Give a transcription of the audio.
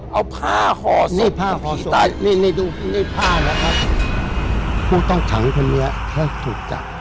เอาผ้าห่อศพผีไตโหงนี่ดูนี่ผ้านะครับคู่ต้องถังคนนี้ถ้าถูกจับ